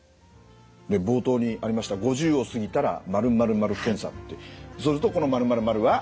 冒頭にありました「５０を過ぎたら○○○検査」ってそうするとこの○○○は？